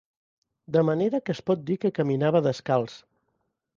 De manera que es pot dir que caminava descalç